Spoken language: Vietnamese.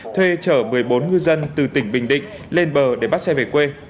thuê chở một mươi bốn ngư dân từ tỉnh bình định lên bờ để bắt xe về quê